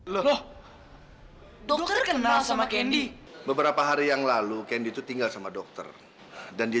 loh dokter kenal sama kendi beberapa hari yang lalu kendi itu tinggal sama dokter dan dia